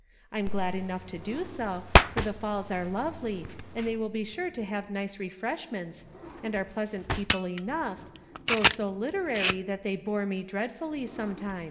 I'm glad enough to do so, for the Falls are lovely, and they will be sure to have nice refreshments, and are pleasant people enough, though so literary that they bore me dreadfully sometimes."